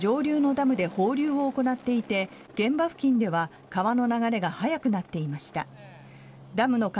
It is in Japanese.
昨日は上流のダムで放流を行っていて現場付近では川の流れが速くなっていました。